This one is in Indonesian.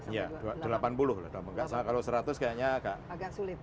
iya delapan puluh lah kalau seratus kayaknya agak sulit